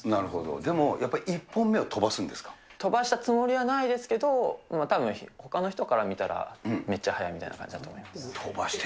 でも１本目は飛ば飛ばしたつもりはないですけど、たぶんほかの人から見たら、めっちゃ速いみたいな感じだと思います。